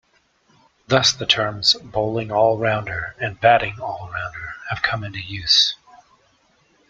Thus the terms "bowling all-rounder" and "batting all-rounder" have come into use.